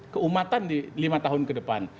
keumatan di lima tahun ke depan